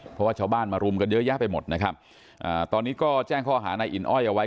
เพราะว่าชาวบ้านมารุมกันเยอะแยะไปหมดนะครับอ่าตอนนี้ก็แจ้งข้อหานายอินอ้อยเอาไว้